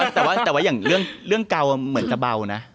แต่ว่าอย่างเรื่องเกาเหมือนจะเบานะ